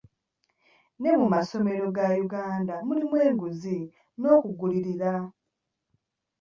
Ne mu masomero ga Uganda mulimu enguzi n'okugulirira.